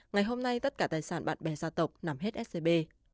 ngày hôm nay tất cả tài sản bạn bè gia tộc nằm hết scb